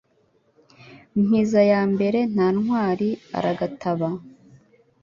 Mpiza ya mbere nta ntwari aragataba